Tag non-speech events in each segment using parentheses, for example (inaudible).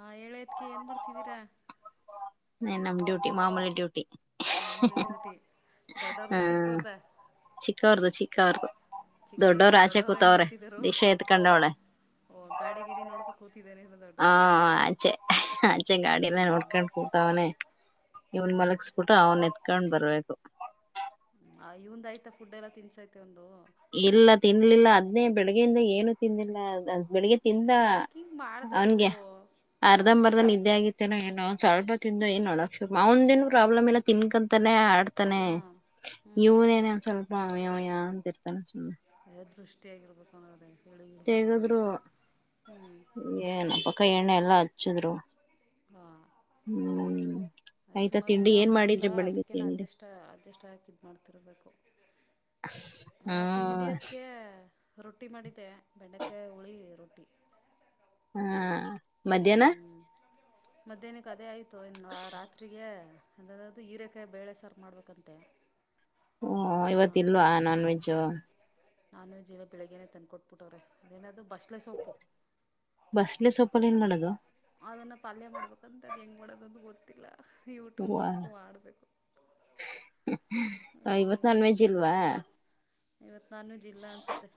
ಆ ಹೇಳ್ಯತ್ಕ ಏನ್ ಬರ್ತಿದ್ದೀರಾ. ನಮ್ ಡ್ಯೂಟಿ ಮಾಮೂಲಿ ಡ್ಯೂಟಿ. ಮಾಮಲಿ ಟ್ಯ ಉಟಿ ದಡ್ಡರ್ ತ ಚಕ್ಕವದ. ಕಾರ. ಚಿಕ್ಕೋರ್ದ ದೊಡ್ಡವರು ಏನ್ ಮಾಡ್ತಿದರು ದಿಶ ಎತ್ಕೊಂಡವಳೆ ಓ ಗಾಡಿ ಗಿಡಿ ನೋಡ್. ಹಾ ಆಚೆ ಆಚೆ ಗಾಡಿ ಎಲ್ಲ ಹ್ಞೂ ನೋಡ್ಕೊಂಡ್ ಕೂಡ್ತವನೇ. ಇವ್ನ್ ಹಾಂ ಮಲಗಸ್ಬಿಟ್ಟು ಅವನ್ ಎತ್ಕೊಂಡ್ ಬರ್ಬೇಕು. ಆ ಇವಂದ ಆಯ್ತಾ ಫುಡ್ ಎಲ್ಲ ತಿನ್ಸೈತೆ ಒಂದು. ಇಲ್ಲ ತಿನ್ಲಿಲ್ಲ ಅದ್ನೇ ಬೆಳಗ್ಗೆಯಿಂದ ಏನು ತಿಿಂದಿಲ್ಲ. ಬೆಳಿಗ್ಗೆ ತಿಂದ ಯಾಕೆ ಹಿಂಗೆ ಮಾಡ್ತವ್ರಿ ಅವನ್ಗೆ ಇವರು ಹಾಂ ಅರ್ಧಂಬರ್ಧನ್ ನಿದ್ದೆ ಆಗಿತ್ತೇನ ಏನೋ. ಸ್ವಲ್ಪ ತಿಂದ ಏನ್ ನಡಕ್ ಶು ಒಂದೇನ್ ಪ್ರಾಬ್ಲಮ್ ಇಲ್ಲ ತಿನ್ಕಂತಾನೇ. ಇರ್ತಾನೆ ಹಾಂ ಹ್ಞೂ ಇವನೇನ ಒಂದ ಸ್ವಲ್ಪ ಅವಯವಯ ಅಂತ ಇರ್ತಾನೆ ಸುಮ್ಮನೆ. ಎ ದೃಷ್ಟಿಯಗಿರ್ಬೇಕು ನೋಡ್ರ. ತೆಗದ್ರು ಏನ ಪಕ್ಕ ಎಣ್ಣೆ ಎಲ್ಲಾ ಹಚ್ಚಿದ್ರು. ಹಾ ಹ್ಮ್ (inaudible) ಅದ ಆಯ್ತಾ ಸುಮಾರ ತಿಂಡಿ ದಿನ ಏನ್ ಆಗೋಯ್ತಲ್ಲ ಮಾಡಿದ್ರಿ ಬೆಳಿಗ್ಗೆ ಅದಕ್ಕೇ ನಾ ತಿಂಡಿ ಅಡ್ಜಸ್ಟ್ ಅಡ್ಜಸ್ಟ್ ಹಾಕಿದ ಮಾಡ್ತಿರ್ಬೇಕು. ಹ್ಮ ರೊಟ್ಟಿ ಮಾಡಿದ್ದೆ ಬೆಂಡೆಕಾಯಿ ಹುಳಿ ರೊಟ್ಟಿ. ಹಾ ಮಧ್ಯಾಹ್ನ. ಹ್ಮ್ ಮಧ್ಯಾಹ್ನಕ್ಕೆ ಅದೇ ಆಯ್ತು ಇನ್ನು ರಾತ್ರಿರಿಗೆ ಅದಯಾದದು ಹೀರೆಕಾಯಿ ಬೇಳೆ ಸಾರ ಮಾಡ್ಬೇಕಂತೆ. (inaudible) ಹೋ ಇವತ್ ಇಲ್ವಾ ನಾನ್ ವೆಜ್ಜು. ನಾನ್ ವೆಜ್ ಇವತ್ತ್ ಬೆಳಿಗ್ಗೇನೆ ತಂದ ಕೊಟ್ಬಿಟ್ಟವ್ರೆ ಅದೇನದೂ ಬಸ್ಲೆ ಸೊಪ್ಪು. ಬಸ್ಲೆ ಸೊಪ್ಪಲ್ ಏನ್ ಮಾಡೋದು. ಅದನ್ನ ಪಲ್ಯ ಮಾಡ್ಬೇಕಂತ ಅದ ಹೆಂಗ್ ಮಾಡೋದಂದು ಗೊತ್ತಿಲ್ಲ. ಯೂಟ್ಯೂಬ್ ನೋಡ್ಕು ಮಾಡ್ಬೇಕು. ಇವತ್ ನಾನ್ ವೆಜ್ ಇಲ್ವಾ. ಇವತ್ತ ನಾನ್ವೆಜ್ ಅನ್ಸುತ್ತೆ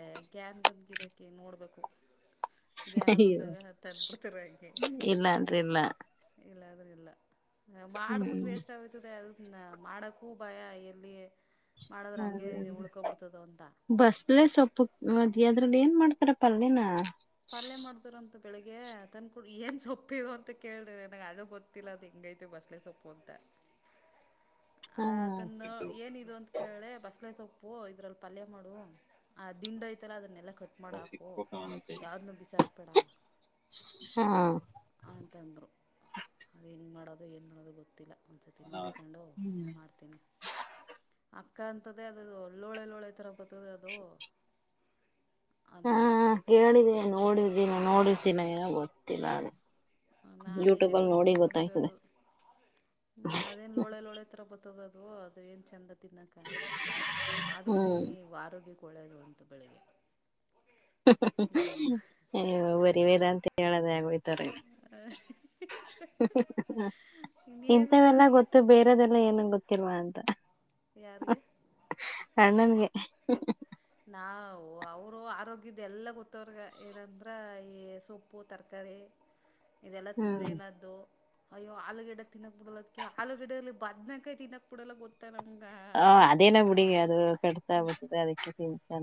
ಏ (unintelligible) ನೋಡ್ಬೇಕು. ಅಯ್ಯ ಹಂಗೆ ಇಲ್ಲ ಅಂದ್ರ ಇಲ್ಲಾ. ಇಲ್ಲ ಅಂದ್ರ ಇಲ್ಲ ಮಾಡಿಬಿಟ್ಟು ವೇಸ್ಟ್ ಆಗಹೋಯ್ತದೆ ಅದನ್ನ ಮಾಡೋಕ್ಕೂ ಭಯ ಎಲ್ಲಿ ಮಾಡದ್ರ ಹಂಗೆ ಉಳ್ಕೊಬಿಡ್ತದೋ ಅಂತ ಬಸ್ಲೆ ಸೊಪ್ಪು ಮತ್ತ ಅದ್ರಲ್ಲಿ ಏನ್ ಮಾಡ್ತಾರೆ ಪಲ್ಯನಾ. ಪಲ್ಯ ಮಾಡ್ತಾರಂತೆ. ಬೆಳಿಗ್ಗೆ ಅದ ತಂದಕೂಡ್ಲೆ ಏನ್ ಸೊಪ್ಪಿದು ಅಂತ ಕೇಳಿದೆ ನನಗೆ ಅದು ಗೊತ್ತಿಲ್ಲ ಅದು ಹೆಂಗೈತೇ ಬಸ್ಲೆ ಸೊಪ್ಪು ಅಂತ. ಹ ಅ ಅದನ್ನ ಏನಿದು ಅಂತ ಕೇಳೆ ಬಸ್ಲೆ ಸೊಪ್ಪ ಪ್ಪೂ ಇದ್ರಲ್ಲಿ ಪಲ್ಯ ಮಾಡು ಆ ದಿಂಡ ಐತಲ್ಲ ಅದ್ ನೆಲ ಕಟ್ ಮಾಡ ಹಾಕು ಯಾವ್ದು ಬಿಸಾಕ್ಬೇಡ. ಹಾ ಆ ಅಂತಂದ್ರೂ ಅದು ಹೆಂಗೆ ಮಾಡೋದ ಏನು ಮಾಡೋದ ಗೊತ್ತಿಲ್ಲ. ಒಂದ್ ಸತಿ ನೋಡ್ಕೊಂಡು ಮಾಡ್ತೀನಿ ಆ ಅಕ್ಕ ಅಂತದೆ ಅದುದು ಲೋಳೆ ಲೋಳೆ ತರ ಬತದೆ ಅದು. ಹಾ ಅಂತ ಕೇಳಿದ್ದೀನಿ ನೋಡಿದೀನಿ ನೋಡಿದೀನಿ ಏನೋ ಗೊತ್ತಿಲ್ಲ ಅ ನಾನೇ ಇದೆ ಫಸ್ಟೂ ಗೊತ್ತಾಯ್ತದೆ ನೋಡಿರೋದು ಹ್ಮ ಅದೇನ್ ಲೋಳೆ ಲೋಳೆ ತರ ಬ ದ ಅದು ಏನ್ ಚಂದ ತಿನ್ನಕ ಆದ್ರೂ ಹ್ಮ್ ತಿನ್ನಿ ವಾರ್ರೋಗ್ಯ ಒಳ್ಳೆದು ಅಂತ ಬೆಳಗ್ಗೆ ಹ್ಮ್ ಹ್ಮ್ ಹ್ಮ್ ಅಯ್ಯೋ ಬರಿ ವೇದಾಂತ ಅಂತ ಹೇಳದ ಆಗ ಹೋಯ್ತಾರೆ. ಹ ಹ್ಮ್ ಹ್ಮ್ ಹ್ಮ್ ಇನ್ನೇನು ಇಂಥವೆಲ್ಲ ಮಾಡೋದು ಗೊತ್ತು ಎತ್ತಿ ಬೇರೆದೆಲ್ಲ ಏನೂ ಗೊತ್ತಿಲ್ವಾ ಅಂತ. ಯಾರಗೆ. ಅಣ್ಣನ್ಗೆ ನಾವು ಅವರು ಆರೋಗ್ಯದ ಎಲ್ಲ ಗೊತ್ತ ಅವ್ರಗೆ ಏನಂದ್ರ ಈ ಸೊಪ್ಪು ತರಕಾರಿ ಕರಿ ಇದೆಲ್ಲಾ ತಿಂದ್ರೆ ಹ್ಮ್ ಏನಾದ್ದು ಅಯ್ಯೋ ಆಲೂಗಡ್ಡೆ ತಿನ್ನಕ್ ಬಿಡಲದಕ್ಕೆ ಆಲೂಗಡ್ಡೆ ಇರಲಿ ಬದ್ನಕಾಯಿ ತಿನ್ನಕ್ ಬಿಡಲ್ಲ ಗೊತ್ತ ಓ ಅದೇನ ಬಿುಡಿ ಅದು ಕಡ್ತಾ ಬತದೆ ಅದಕ್ಕೆ. ಚ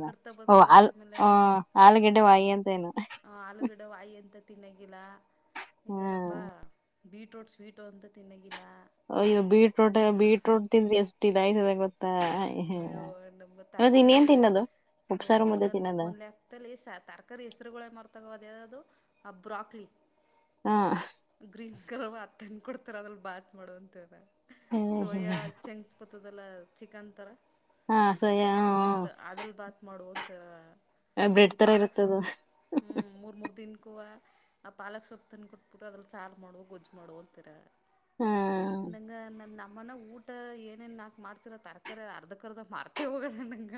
ಕಡ್ತ ಓ ಬರ್ತದೆ ಆ ಆಮೇಲೆ ಹ ಆಲೂಗಡ್ಡೆ ವಾಯಿ ಅಂತೇಏನು. ತಿನ್ನಗಿಲ್ಲ ಇನ್ನೇನಪ್ಪ ಹ್ಮ್ ಬೀಟರೂಟ್ ಸ್ವೀಟ್ ಅಂತ್ ತಿನ್ನಗ ಅಯ್ಯೋ ಬೀಟ್ರೂಟ್ ಬೀಟ್ರೂಟ್ ತಿಂದ್ರಿ ಎಷ್ಟ ಇದಯ್ತದೇ ಗೊತ್ತಾ ಅಯ್ಯೊ. ಹೌದ ಇನ್ನೇನ್ ತಿನ್ನೋದು. ಓ ಉಪ್ಸಾರು ಮುದ್ದೆ ನಂದ ತಿನ್ನೋದ ಒಂದ್ಲೆಕ್ದಲ್ಲಿ ಹೆಸ್ ತರ್ಕಾರಿ ಹೆಸ್ರುಗಳೇ ಮರ್ತೋಗವದ ಅದು ಆ ಬ್ರಾಕ್ಲಿ. ಹಾ ಗ್ರೀನ್ ಕಲರ್ ಆದ ತಂದ ಕೊಡ್ತಾರ ಅದ್ರಲ್ ಬಾತ್ ಮಾಡುವಂತದ ಸೋಯಾ ಚೆಂಗಸ್ ಇರ್ತದಲ್ಲ ಚಿಕನ್ ತರ ಹಾ ಸೋಯಾ ನೆನ್ಯ ಹಾಕ್ಬುಟ್ಟ ಮಾಡತ ಅದಲ್ ಬಾತ್ ಮಾಡುವ ಅಂತರ ಬ್ರೆಡ್ ಈ ತರ ಪಾಲಕ್ ಇರುತ್ತದು ಸೊಪ್ಪ ಹ್ಮ್ ಮೂರ್ ಮೂರ್ ದೀನ್ಕ್ಕೂವೆ ಆ ಪಾಲಕ್ ಸೊಪ್ಪ ತಂದ ಕೊಟ್ಟ ಕೊಟ್ಟಬಿಟ್ಟು ಅದ್ರಲ್ಲಿ ಸಾರ್ ಮಾಡು ಗೊಜ್ಜ ಮಾಡು ಅಂತರ ಹಾ ಅಂದಂಗ್ ಅಮ್ಮನ ಊಟ ಏನೇನ್ ನಾಕಕ್ ಮಾಡ್ತಿರ ತರಕಾರಿ ಅರ್ಧಕರ್ದ ಮಾರ್ತಿ ಹೋಗ ನಗೆ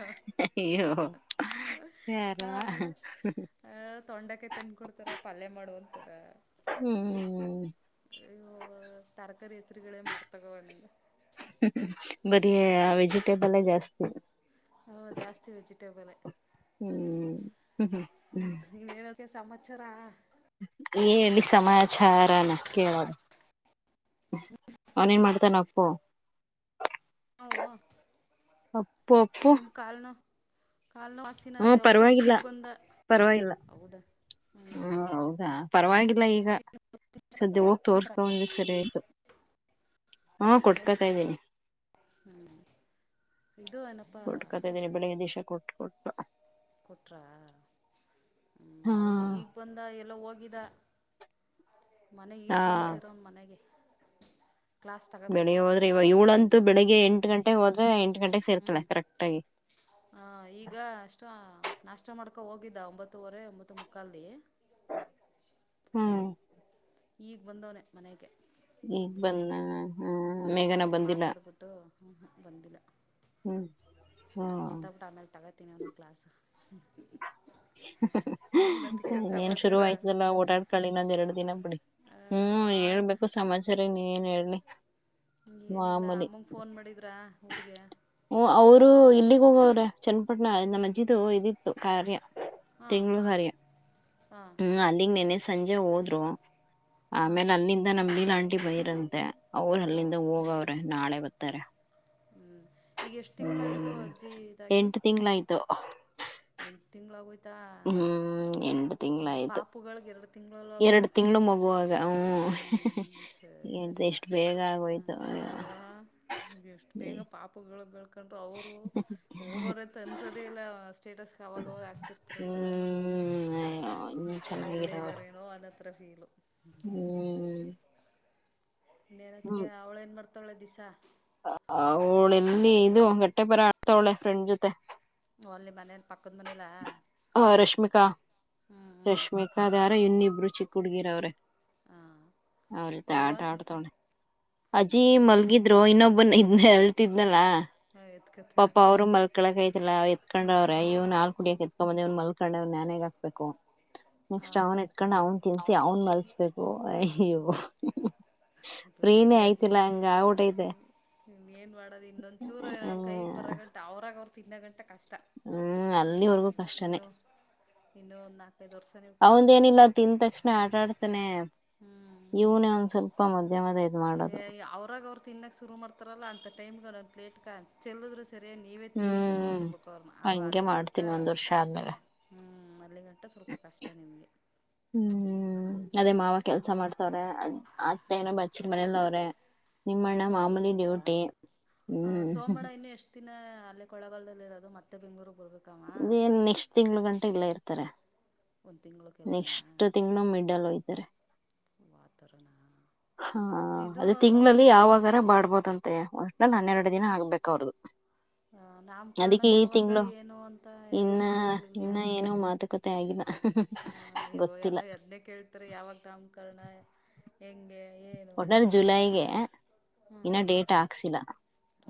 ಅಯ್ಯೋ ಹ ಯಾರವ್ವ ಆಮೇಲೆ ತೊಂಡಕಾಯಿ ತಂದ ಕೊಡ್ತಾರ ಪಲ್ಯ ಮಾಡುವಂತ ಅಯ್ಯೋ ಹ್ಮ್ ತರಕಾರಿ ಎಚ್ಚರಿಕಳಿ ಮರ್ತಕನ್ನ ಬರಿ ವೆಜಿಟೇಬಲ್ ಜಾಸ್ತಿ ಹ ಜಾಸ್ತಿ ವೆಜಿಟೇಬಲ್ ಹ್ಮ್ ಇನ್ನೇನೋಕೆ ಸಂವತ್ಸರಾ ಹೇಳಿ ಸಮಾಚಾರಾನ ಕೇಳದು ಅವನೇನ್ ಮಾಡ್ತಾನ ಅಪ್ಪು ವಾ ಅಪ್ಪು ಅಪ್ಪು ನಿಮ್ ಕಾಲ್ನು ಕಾಲ್ನ ವಾಸಿನ ಹ್ಮ ಅಂದ ಅಪ್ಪು ಪರವಾಗಿಲ್ಲ ಈಗ ಬಂದ ಪರವಾಗಿಲ್ಲ ಹೌದಾ ಹಾಞ ಪರ್ವಾಗಿಲ್ಲ ಈಗ ಸದ್ಯ ಹೋಗಿ ಹ್ಞೂ ತೋರಿಸಿಕೊಂಡಿ ಇದ್ದಕ್ ಸರಿ ಆಯ್ತು ಹ್ಮ ಕೊಡ್ಕತ ಇದ್ದೀನಿ ಇದು ಏನಪ್ಪಾ ಕೊಡ್ಕತಾ ಇದ್ದೀನಿ ಬೆಳಿಗ್ ದಶಾ ಕೊಟ್ಟು ಕೊಟ್ಟು ಕೊಟ್ರ ಹ್ಮ ಹಾ ಅವನು ಈಗ್ ಬಂದ ಎಲ್ಲ ಹೋಗಿದ್ದ ಮನೆ ಹಾ ಈಗ್ ಬಂದ್ಸಿರನ್ ಮನೆಗೆ ಕ್ಲಾಸ್ ತಗೋಬೇಕು ಬೆಳಿಗ್ಗೆ ಹೋದ್ರೆ ನಿಮ್ಮ ಇವ ಮ ಇವಳಂತೂ ನಿಮ್ದು ಬೆಳಿಗ್ಗೆ ಎಂಟು ಗಂಟೆಗೆ ಹ್ಞ ಹೋದ್ರೆ ಎಂಟು ಗಂಟೆಗೆ ಹ್ಞ ಸೇರ್ತಾಳೆ ಕರೆಕ್ಟ್ ಆಗಿ ಹ ಈಗ ಅಷ್ಟ ನಾಷ್ಟ ಮಾಡ್ಕೊ ಹೋಗಿದ್ದ ಒಂಬತ್ತುವರೆ ಒಂಬತ್ತು ಮುಕ್ಕಾಲಿ ಹ್ಮ್ ಈಗ್ ಬಂದವನನೆ ಮನೆಗೆ ಹ್ಮ ಬನ್ನ ಹ್ಮ್ ನಿಮ್ ಜೊತೆ ಮಾತಾಡ್ಬಿಟ್ಟು ಹ ಬಂದಿಲ್ಲ ಹ್ಮ್ ಮತಾಬಟ್ಟು ಆಮೇಲೆ ತಗೋತೀನಿ ಒಂದೊಂದ ಕ್ಲಾಸ್ ಇನ್ನೇನತ್ಗೆ ಏನ್ ಸಮಾಚಾರ ಶುರುವ ಆಾಯ್ತುಲ್ಲ ಓಡಾಡ್ಕೊಳ್ಳಿ ನೊಂದ್ ಎರಡು ದಿನ ಬಿಡಿ ಹ್ಮ್ ಹೇಳ್ಬೇಕು ಸಮಾಚಾರೀ ನೀ ಏನ್ ಹೇಲಿ ಏನಿಲ್ಲ ಅಮ್ಮಗೆ ಫೋನ್ ಮಾಡಿದ್ರಾ ಊ್ರರಿಗೆ ರು ಇಲ್ಲಿಗ್ ಹೋಗವ್ರೆ ಚನ್ನಪಟ್ಣಮ್ಮಜ್ಜಿದು ಇದಿತ್ತು ಕಾರ್ಯ ಹಾಂ ಹಾಂ ತಿಂಗಳಗರಿ ಹಾಂ ಹ್ಮ್ ಅಲ್ಲಿಗ್ ನೆನೆ ಸಂಜೆ ಹೋದ್ರು ಹಾಂ ಆಮೇಲೆ ಅಲ್ಲಿಂದ ನಮ್ದಲ ಆಂಟಿ ಬೈರಂತೆ ಅವರು ಹಾಂ ಅಲ್ಲಿಂದ ಹೋಗವ್ರೆ ನಾಳೆ ಬ ಹತರ ಹ್ಮ್ ಈಗ ಎಷ್ಟ್ ತಿಂಗಗಳಾಯ್ತು ಅಜ್ಜಿ ಇದಾಗಿ ಎಂಟು ತಿಂಗ್ಳಾಯ್ತು ಎಂು ತಿಂ್ಾವ ಹ್ಮ್ ಎಟ ತಿಂಗಗಳುಾಯ್ತು ಪಾಪುಗಳಿಗೆ ಎರಡು ತಿಂಗಳಲ್ಲ ಅವಾಗ ಎರಡು ತಿಂಗಳು ಮಗುವಾಗ ಹ್ಞೂ ಹ್ಮ್ ಸರಿ ಸರಿ ಎಷ್ಟು ಬೇಗ ಆಗೋಯ್ತ ಹಾಂ ಹಪುಗಳು ಬೆಳ್ಕೊಂಡ್ರು ಅವರು ಒಬ್ಬರ ಅನ್ಸದೇ ಇಲ್ಲ ಅಷ್ಟ ಸ್ಟೇಟಸ್ಗೆ ಅವಾಗವಾಗ ಆಗ್ತಿರ್ತಾರಲ್ಲ ಹ್ಮ್ ಇಲ್ಲೇ ಚೆನ್ನಾಗಿರವ ಇದ್ದಾರ ಏನೋ ಅನ್ನತ್ರ ಹ್ಮ್ ನೇನತ್ಕ ಹ್ಮ್ ಅವ್ಳ ಏನ್ ಮಾಡ್ತಾವಳೆ ದಿಸಾ ಅವಳ ಎಲ್ಲಿ ಇದು ಗಟ್ಟೆ ಬರ ಆಡ್ತಾವಳೆ ಫ್ರೆಂಡ್ ಜೊತೆ ಓನ್ಲಿ ಮನೆನು ಪಕ್ಕದ ಮನೆ ಇಲ ಆ ರಶ್ಮಿಕಾ ರಷ್ಮಿಕಾ ದಾರ ಇನ್ನಿಬ್ರು ಚಿಕ್ಕ ಹುಡ್ಗಿರ ಅವ್ರೆ ಹಾ ಅವ ತಾ ಆಟ ಆಡ ತೋಣೆ ಅಜ್ಜಿ ಅವು ಮಲ್ಗಿದ್ರು ಇನ್ನೊಬ್ಬನ್ ಇದ್ನ ಹೇಳ್ತಿದ್ನಲ್ಲ ಹಾಂ ಎತ್ಕತ್ತ ಪಾಪ ಅವ್ರರು ಮಲ್ಕಳಕೈಐತಿಲ್ಲ ಹ್ಞೂ ಎತ್ಕೊಂಡ್ರ ಅವ್ರ ಇವ್ ನಾಲ್ ಹ್ಞೂ ಕುಡಿಯಕ ಎತ್ಕೊಂಬಂದವ್ ಮಲ್ ಕಡೆ್ ನನ್ಾನೇಾಗ ಹಾಕ್ಬೇಕು ನೆಕ್ಸ್ಟ್ ಹಾಂ ಅವನ್ ಎತ್ಕೊಂಡ್ ಅವನ್ ತಿನ್ಸಿ ಅವನ್ ಮಲ್ಸ್ಬೇಕು ಅಯ್ಯೋ ಬರೀ ಫ್ರೀನೇ ಇದೇ ಆಗ್ಲಿ್ಮ ಆಯ್ತಿಲ್ಲ ಹಂಗ ಆಗ್ಬಿಟ್ಟೈತೆ ಇನ್ನ ಏನ್ ಮಾಡದು ಇನ್ನೊಂದ್ ಚೂರ ಏನ ಕೈಗ್ ಬರ ಹ್ಮ್ ಗಂಟ ಅವ್ರಾಗ ಅವರು ತಿ ಇನ್ನ ಗಂಟೆ ಕಷ್ಟ ಅಲ್ಲಿವರ್ಗೂ ಕಷ್ಟನೇ ಇನ್ನೂ ಇನ್ನೂಂದು ನಾಲ್ಕೈದು ವರ್ಸ ಅವಂದ ಏನಿಲ್ಲ ತಿಂದ ತಕ್ಷಣ ಆಟಾಡ್ತಾನನೆ ಹ್ಞೂ ಇವನೇ ಒಂದ್ ಸ್ವಲ್ಪ ಮಧ್ಯಮದ ಇದ್ ಮಾಡೋದು ಅವ್ರಾಗ ಅವ್ರು ತಿನ್ನಕ್ ಶುರು ಮಾಡ್ತಾರಲ್ಲ ಅಂತಟೈಮ್ಗೆ ಲೇಟ್ ಚೆದ್ರ ಸರಿ ನೀವೇ ತಿನ್ನಿ ಅಂತ ಹ್ಮ್ ಬಿಟ್ಬಿಡ್ಬೇಕ ಅವ್ರನು ಅವ ಹಂಗೆ ಅಲ್ಲಿ ಗಂಟ ಮಾಡ್ತೀನಿ ಒಂದ್ ವರ್ಷ ಆದ್ಮೇಲೆ ಹ್ಮ್ ಅಲ್ಲಿ ಗಂಟ ಗಟ್ಟ ಸ್ವಲ್ಪ ಕಷ್ಟ ನಿಮಗೆ ಹ್ಮ್ ಅದೇ ಮಾವ ಕೆಲ್ಸ ಮಾಡ್ತವ್ರೆ ಅತ್ತ ಹಾಂ ಏನೋ ಬಚ್ಚಿರ್ ಮನೇಲ್ ಅವ್ರೆ ಹಾಂ ನಿಮ್ಮಣ್ಣ ಬಟ್ ಮಾಮೂಲಿ ಹೋಗಿದ್ದಿದ್ದ ಡ್ಯೂಟಿ ಹ್ಮ್ ಹ್ಮ್ ಸೋಮವಾರ ಇನ್ನೂ ಎಷ್ಟು ಅಲ್ಲೇ ಕೊಳಗಾಲದಲ್ಲಿ ಇರೋದು ಮತ್ತೆ ಬೆಂಗಗಳೂರು ಇದೇನ್ ನೆಕ್ಸ್ಟ್ ತಿಂಗಳ ಗಂಟೆ ಇಲ್ಲ ಇರ್ತಾರೆ ಒಂದು ತಿಂಗಳು ಕೆಲಸನಾ ನೆಕ್ಸ್ಟ್ ತಿಂಗಗಳು ಮಿಡಲ್ ಹೊಯ್ತಾರೆ ವಾತವರಣ ಹಾ ಅದೇ ತಿಂಲ್ಲಿ ಯಾವಾಗಾರ ಬ್ಬೋದಂತೆ ನ ನನ್ನೆರಡು ದಿನ ಆಗ್ಬೇಕ ಅವ್ರ್ದದು ಹ ನಾಮಕರಣ ಯಾವಾಗ ಏನು ಅಂತ ಏನೂ ಇನ್ನ ಇನ್ನ ಏನೋ ಮಾತುಕತೆ ಆಗಿಲ್ಲ ಹ ಇ ಎಲ್ಲ ಗೊತ್ತಿಲ್ಲ ಎದ್ನೇ ಕೇಳ್ತಾರೆ ಯಾವಾಗ ನಾಮಕರ್ಣ ಹೆಂಗೆ ಏನು ಒಟ್ನಲ್ಲಿ ಜುಲೈಗೆ ಇನ್ನ ಡೇಟ್ ಹಾಕ್ಸಿಲ್ಲ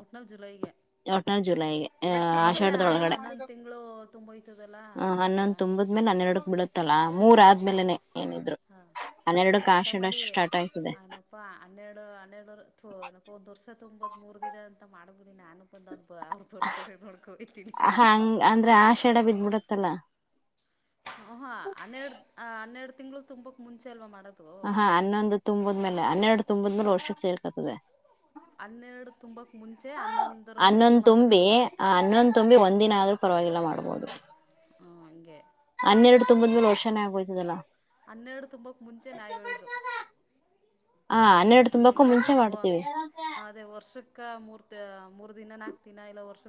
ಒಟ್ನಲ್ ಜುಲೈಗೆ ಒಟ್ನಲ್ ಜುಲೈಗೆ ಆ ಅಂದರೆ ಆಷಾಢದ ಹನ್ ಒಳಗಡೆ ಹನ್ನೊಂದು ತಿಂಗಳು ತುಂಬೋಯ್ತದಲ್ಲ ಆಗಲಾ ಹನ್ನೊಂದು ತುಂಬದ್ಮೇಲೆ ಅನ್ನೆರಡಕ್ ಬಿಡತ್ತಲ್ಲ ಹ ಮೂರ ಹಾಂ ಆದ್ಮೇಲೆನೆ ಏನಿದ್ರು ಹಾಂ ಒಂದು ಹನ್ನೆರಡಕ್ ಕೆಲಸ ಆಷಾಡಷ್ಟ ಸ್ಟಾರ್ಟ್ ಆಯ್ತದೆ ಹನ್ನೆರ ಒಂದ್ ವರ್ಷ ತುಂಬತ್ ಮೂರ್ ದಿನ ಅಂತ ಮಾಡ್ಬಿಡಿ ನಾನು ಬಂದ ಹಂಗ ಅಂದ್ರೆ ಆಷಡ ಬಿದ್ಬಿಡತ್ತಲ್ಲ ಹಹ ಹನ್ನೆರಡು ಹನ್ನೆರಡು ತಿಂಗ್ಗಳು ತುಂಬಾಕ್ ಮುಂಚೆ ಅಲ್ವಾ ಮಾಡಕ ಹಾ ಹನ್ನೊಂದು ತುಂಬದ್ಮೇಲೆ ಹನ್ನೆರಡು ತುಂಬದ್ಮೇಲೆ ವರ್ಷದ ಸೇರ್ಕತದೆ ಹನ್ನೆರಡು ತುಂಬಾ ಅನ್ನೊಂದ್ ತುಂಬಿ ಹನ್ನೊಂದ ತುಂಬಿ ಒಂದಿನ ಆದ್ರೂ ಪರವಾಗಿಲ್ಲ ಮಾಡ್ಬೋದು ಹ್ಞೂ ಹಂಗೆ ಹನ್ನೆರಡು ತುಂಬದ್ಮೇಲೆ ಹ ವರ್ಷಾನ ಆಗೋಯ್ತದಲ್ಲಾ ಹನ್ನೆರಡು ತುಂಬಾಕ್ ಮುಂಚೆ ನಾಹೇಳಿದ್ದು ಹ ಹನ್ನೆರಡು ತುಂಬಕ್ಕೂ ಈಗ ಮುಂಚೆ ಮಾಡ್ತೀವಿ ಅದೇ ವರ್ಷಕ್ಕ ಮೂರ್ತ ಮೂರ್ ದಿನನಾಕ್ತಿನಾ ಎಲ್ಲ ವರ್ಷ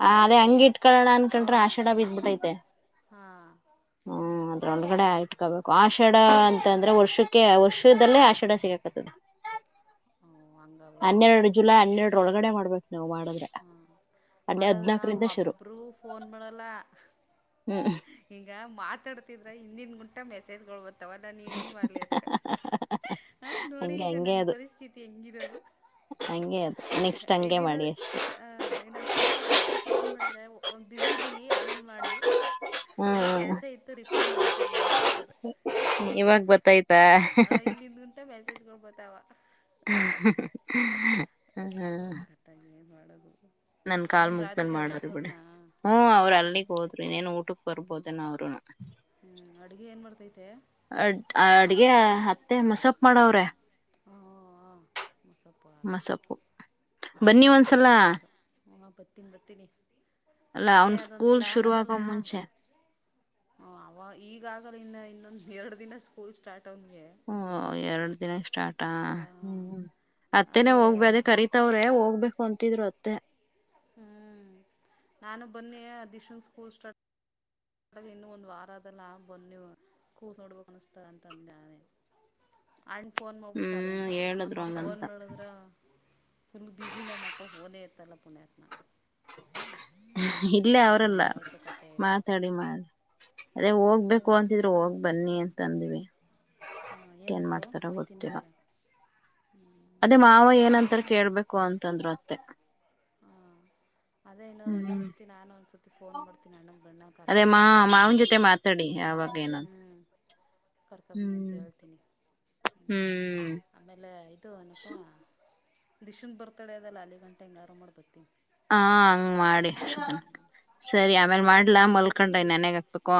ಹ ಅದೇ ಹಂಗ ಇಟ್ಕೊಳ್ಳೋಣ ಅನ್ಕೊಂಡ್ರೆ ಹಾಂ ಆಷಡ ಬಿದ್ಬಿಟ್ಟೈತೆ ಹಾಂ ಹ್ಮ್ ಅದ್ರ ಒಂದಗಡೆ ಆಟ್ಕೋಬೇಕು ಆ ಶೆ ಅಂತ ಅಂದ್ರೆ ವರ್ಷಕ್ಕೆ ವರ್ಷದಲ್ಲೇ ಹಾಂ ಆಷಾಢ ಸಿಗಕದೆ ಹಂಗಾಗೋಯ್ತದ ಹನ್ನೆರಡು ಜುಲೈ ಹನ್ನೆರಡು ಒಳಗಡೆ ಮಾಡ್ಬೇಕು ನಾವು ಮಾಡಿದ್ರೆ ಅಲ್ಲಿ ಮಾಡದ್ರ ಹದ್ನಾಕರಿಂದ ಶುರು ಒಬ್ಬರುೂ ಫೋನ್ ಮಾಡಲ್ಲ ಹ್ಮ್ ಹಿಂಗ ಮಾತಾಡ್ತಿ ್ರ ಹಿಂದಿನ ಗಂಟಾ ಮೆಸೇಜ್ಗಳ್ಬತ್ತಾವ ನಾನ ಏನ್ ಮಾಡ್ಲಿ ಅದ್ಕ ಹ ನೋಡಿ ಹಂಗೆ ಈಗ ಹಂಗೆ ನನ್ನ ಅದು ಪರಿಸ್ಥಿತಿ ಹೆಂಗಿದವು ಹಾಗ ಅದು ನೆಕ್ಸ್ಟ್ ಹಂಗೆ ಮಾಡಿ ಅಷ್ಟು ಹಹ ಇನ್ನೊಂದ್ ಸ್ವಲ್ಪ ಓದ್ಕ್ ಬಿಟ್ಟು ಫೋನ್ ಮಾಡಿದ್ರೆ ಒ ಬಿಸಿ ಇದ್ದೀನಿ ಆಮೇಲೆ ಮಾಡಿ ಅಯ್ಯೋ ಹ್ಮ್ ಕೆಲ್ಸ ಇತ್ತು ರಿಪ್ಲೈ ಮಾಡಕ್ಕಾಗ್ಲಿಲ್ಲ ಅಂತಾರೆ ಇವಾಗ ಬತ್ತಾಯ್ತು ಹ ಇಲ್ಲಿಂದ್ ಗುಂಟ ಮೆಸೇಜ್ ಕೊಡ್ಬೋತಾವ ಹ್ಮ ಮಾಡಬ (unintelligible) ನನ್ ಕಾಲ್ ಮುಗ್ದಲ್ ಮಾಡ್ರಿ ಬಿಡ ಹ್ ಅವ್ರು ಅಲ್ಲಿಗ್ ಹೋದ್ರು ಇನ್ನೇನ್ ಊಟ ಬರ್ಬೋದನ ಅವರು ಆ ಹ್ಞೂ ಅಡುಗೆ ಏನು ಮಾಡ್ತೈತೆ ಅಡ್ಗೆ ಹತ್ತು ಮತ್ತೆ ಮಸಪ್ ಮಾಡವ್ರೆ ಹಾ ಮಸಪ್ಪ ಮಸಪ್ಪು ಬನ್ನಿ ಒಂದ್ಸಲ ಬೆಳತ ಹ ಬರ್ತೀನಿ ಬರ್ತೀನನಿ ಅಲ್ಲ ಅವ್ನು ಸ್ಕೂಲ್ ಶುರುವ ಆಕ ಮುಂಚೆ ಹ ಅವ ಈಗಾಗಲ ಇನ್ನ ಇನ್ನೊಂದ ಎರಡು ದಿನ ಸ್ಕೂಲ್ ಸ್ಟಾರ್ಟ್ ಅವದ್ ಮೇ ಹ್ಮ ಎರಡು ದಿನಕ್ಕೆ ಸ್ಟಾರ್ಟ್ ಆಾ ಹ್ಮ್ ಅತ್ತೇನೆೇ ಹೋಗ್ಬ ಅದೇ ಕರತವ್ರೆ ಹೋಗ್ಬೇಕು ಅಂತಿದ್ರು ಅತ್ತೆ ಹ್ಮ್ ನಾನು ಬನ್ನಿ ಅ ದಿಶನ್ ಸ್ಕೂಲ್ ಸ್ಟಾರ್ಟ್ ನಡಗೆ ಇನ್ನೂ ಒಂದು ವಾರದೆಲ್ಲ ಬನ್ನಿ ಕೂಸ್ ನೋಡ್ಬೇಕು ಅನಿಸ್ತಾ ಅಂತಂದಾನೆ ಅಣ್ಣ ಫೋನ್ ಮಾಡೋಗ್ಬಿಟ್ಟು ಕರಿ ಹ್ಮ್ ಅಂತ ಹೇಳಿದ್ರು ನಮ್ಮಬ ಫೋನ್ ಹಂಗಂತ ಬಿದ್ರ ಫುಲ್ ಬಿಸಿ ನಮ್ಮ ಅಪ್ಪ ೋನೇ ಇತ್ತಲ್ಲ ಪುಣತ್ನ ಇಲ್ಲೇ ಅವ್ರಲ್ಲ ಹಂಗಾಯ್ತು ಕತೆ ಈಗ ಮಾತಾಡಿ ಮಾಡ ಅದೇ ಹೋಗ್ಬೇಕು ಏನಕ್ಕೆ ಅಂತಿದ್ರು ಹೋಗ್ ಸಮಾಜ ಬನ್ನಿ ಅಂತಂದ್ವಿ ಹಾಂ ಏನ್ ಏನಂತೋ ಮಾಡಾತಾರ ಒಯ್ತೀನಿ ಗೊತ್ತೀರೋ ಅಂತ ಅದೇ ಮಾವ ಏನಂತಾರ ನಾನು ಕೇಳ್ಬೇಕು ಅಂತಂದ್ರು ಅತ್ತೆ ಹಾಂ ಅದೇ ಇನ್ನು ಹ್ಮ್ ಇನ್ನೊಂದ್ಸರ್ತಿ ನಾನು ಒಂದ್ಸತಿ ಫೋನ್ ಮಾಡ್ತೀನಿ ಅಣ್ಣಗೆ ಬಣ್ಣ ಅದೇ ಕರಪಬಾ ಮಾ ಅಂತ ಹೇಳ್ತೀನಿ ಮಾವನ್ ಜೊತೆ ಮಾತಾಡಿ ಯಾವಾಗ ಏನಂತ ಹ್ಮ್ ಕರ್ಕಬನಿ ಅಂತ ಹ್ಮ್ ಹೇಳ್ತೀನಿ ಹ್ಮ್ ಆಮೇಲೆ ಇದು ಏನಪ್ಪಾ ದಿಶನ್ ಬರ್ತಾ ಡೇ ಅದಲ್ಲ ಆಾಲಲಿ ಗಂಟೆ ಹಂಗಾರಾಮ ಮಾಡಿ ಬರ್ತನಿ ಹಾ ಹಂಗ್ ಮಾಡಿ ಸರಿ ಆಮೇಲ್ ಇನ್ನೇನು ಮಾಡ್ಲಾ ಮಲ್ಕೊಂಡ್ರೆ ನನ್ಯಾಗ ಹಾಕ್ಬೇಕು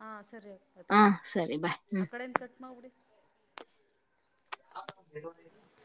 ಹಾ ಸರಿ ಅದಕ್ಕೆ ಹ ಆಯ್ತು ಸರಿ ಬಾಯ್ ಹ್ಮ್ ಆ ಕಡೆನು ಕಟ್ ಮಾಡ್ಿಡಿ ಹೇಳೋ